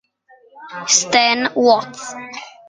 Stan Watts